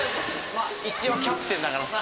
まあ一応キャプテンだからさ。